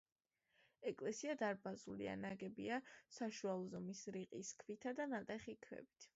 ეკლესია დარბაზულია, ნაგებია საშუალო ზომის რიყის ქვითა და ნატეხი ქვით.